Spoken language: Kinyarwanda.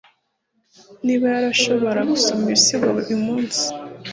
niba yarashobora gusoma ibisigo uyumunsi